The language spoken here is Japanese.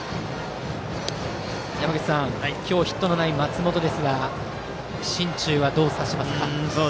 今日ヒットのない松本ですが心中はどう察しますか？